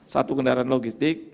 satu kendaraan logistik